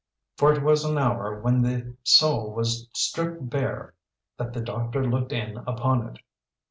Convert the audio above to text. For it was an hour when the soul was stripped bare that the doctor looked in upon it.